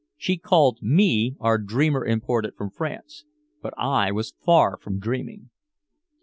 She called me "our dreamer imported from France." But I was far from dreaming.